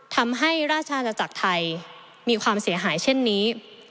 ทำให้ราชอาณาจักรไทยมีความเสียหายเช่นนี้